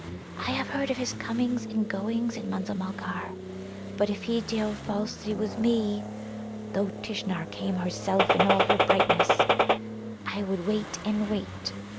I have heard of his comings and goings in Munza mulgar. But if he deal falsely with me, though Tishnar came herself in all her brightness, I would wait and wait.